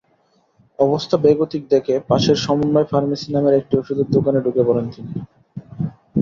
অবস্থা বেগতিক দেখে পাশের সমন্বয় ফার্মেসি নামের একটি ওষুধের দোকানে ঢুকে পড়েন তিনি।